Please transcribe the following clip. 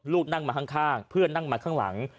ลูกนั่งมาข้างเพื่อนนั่งมาข้างหลัง